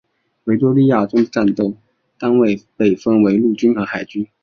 维多利亚中的战斗单位被分为陆军和海军。